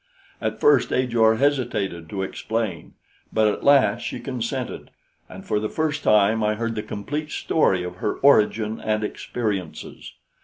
At first Ajor hesitated to explain; but at last she consented, and for the first time I heard the complete story of her origin and experiences.